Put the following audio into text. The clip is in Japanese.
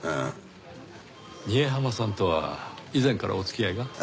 仁江浜さんとは以前からお付き合いが？